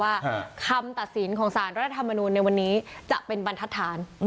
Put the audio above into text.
ว่าคำตัดสินของสารรัฐธรรมนูลในวันนี้จะเป็นบรรทัศน